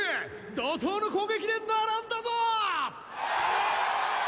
怒涛の攻撃で並んだぞ！